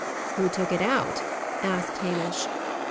"Who took it out?" asked Hamish.